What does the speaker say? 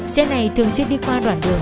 xe này thường xuyên đi qua đoạn đường